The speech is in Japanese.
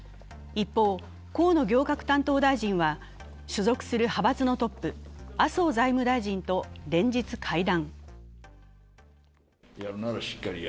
一方、河野行革担当大臣は所属する派閥のトップ、麻生財務大臣と連日会談。